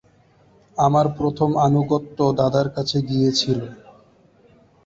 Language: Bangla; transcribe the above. আমার প্রথম আনুগত্য দাদার কাছে গিয়েছিল।